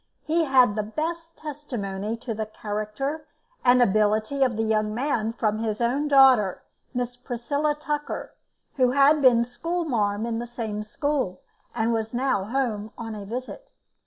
He had the best testimony to the character and ability of the young man from his own daughter, Miss Priscilla Tucker, who had been school marm in the same school, and was now home on a visit.